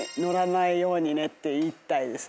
て言いたいですね。